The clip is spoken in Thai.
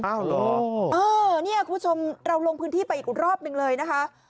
เหรอเออเนี่ยคุณผู้ชมเราลงพื้นที่ไปอีกรอบหนึ่งเลยนะคะ